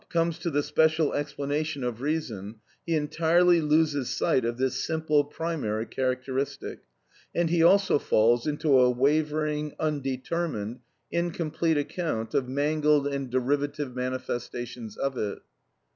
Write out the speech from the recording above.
§§ 2 and 3) comes to the special explanation of reason he entirely loses sight of this simple, primary characteristic, and he also falls into a wavering, undetermined, incomplete account of mangled and derivative manifestations of it.